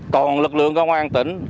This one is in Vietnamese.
toàn lực lượng công an tỉnh